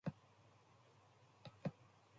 He also called for armed struggle.